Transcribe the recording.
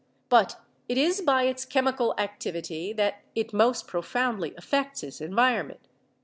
But it is by its chemical activity that it most profoundly affects its environment.